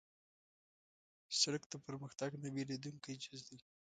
سړک د پرمختګ نه بېلېدونکی جز دی.